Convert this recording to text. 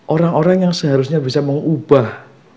orang orang yang seharusnya bisa mengubah